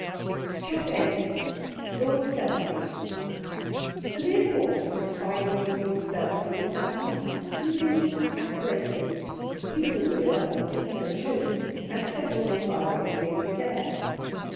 CHAPTER VIII Lord Selsey The mere thought of confiding in Lord Selsey was at once soothing and bracing. He was a widower with no children, and Cecil was by way of being his heir.